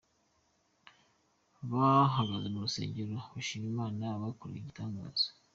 Bahagaze mu rusengero bashima Imana yabakoreye igitangaza.